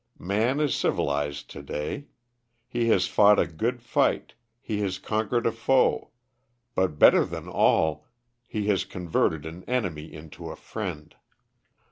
Man is civilised to day. He has fought a good fight, he has conquered a foe; but better than all, he has converted an enemy into a friend.